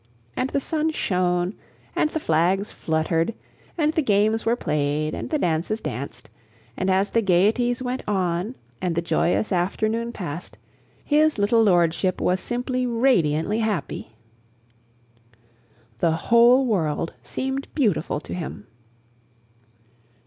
And the sun shone and the flags fluttered and the games were played and the dances danced, and as the gayeties went on and the joyous afternoon passed, his little lordship was simply radiantly happy. The whole world seemed beautiful to him.